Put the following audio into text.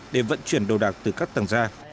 để vận chuyển đồ đạc từ các tầng ra